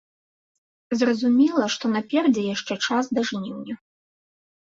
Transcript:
Зразумела, што наперадзе яшчэ час да жніўня.